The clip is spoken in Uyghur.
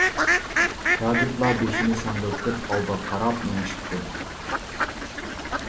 شاگىرتلار بېشىنى ساڭگىلىتىپ ئالدىغا قاراپ مېڭىشىپتۇ.